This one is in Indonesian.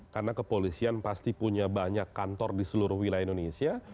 karena kepolisian pasti punya banyak kantor di seluruh wilayah indonesia